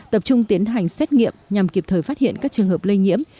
tập trung tiến hành xét nghiệm nhằm kịp thời phát hiện các trường hợp lây nhiễm